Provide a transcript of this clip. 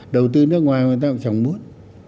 đầu tư nước ngoài người ta cũng chẳng muốn